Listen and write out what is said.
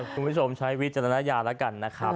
คุณผู้ชมใช้วิจารณญาณแล้วกันนะครับ